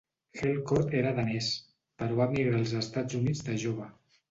Hillcourt era danès, però va emigrar als Estats Units de jove.